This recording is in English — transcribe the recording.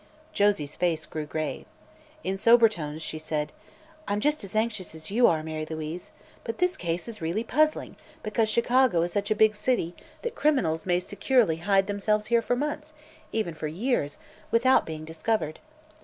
Josie's face grew grave. In sober tones she said: "I'm just as anxious as you are, Mary Louise. But this case is really puzzling, because Chicago is such a big city that criminals may securely hide themselves here for months even for years without being discovered.